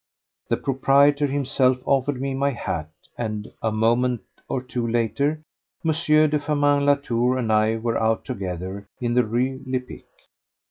The proprietor himself offered me my hat, and a moment or two later M. de Firmin Latour and I were out together in the Rue Lepic.